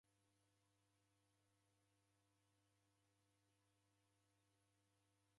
W'aw'eghenda mboa mboa nandighi